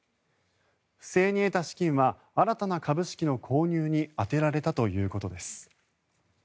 不正に得た資金は新たな株式の購入に充てられたということです。